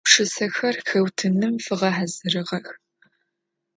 Пшысэхэр хэутыным фигъэхьазырыгъэх.